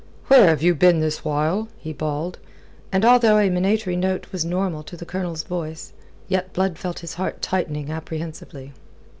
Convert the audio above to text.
"Where have you been this while?" he bawled, and although a minatory note was normal to the Colonel's voice, yet Blood felt his heart tightening apprehensively.